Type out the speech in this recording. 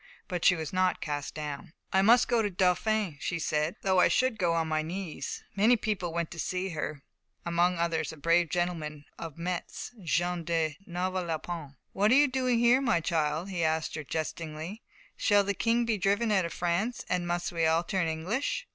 But she was not cast down. "I must go to the Dauphin," she said, "though I should go on my knees." Many people went to see her, among others a brave gentleman of Metz, Jean de Novelonpont. "What are you doing here, my child?" he asked her, jestingly. "Shall the King be driven out of France, and must we all turn English?"